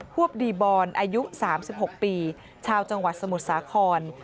พวกดีบอลอายุ๓๖ปีชาวจังหวัดสมุทรสาคร